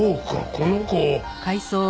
この子。